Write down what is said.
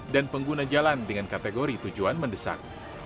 dan pengguna jalan dengan kategori tujuan mendesak